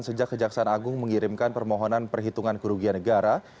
sejak kejaksaan agung mengirimkan permohonan perhitungan kerugian negara